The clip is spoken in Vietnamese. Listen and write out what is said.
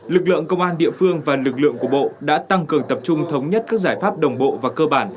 lực lượng công an địa phương và lực lượng của bộ đã tăng cường tập trung thống nhất các giải pháp đồng bộ và cơ bản